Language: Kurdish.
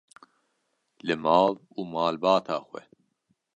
li mal û malbata xwe.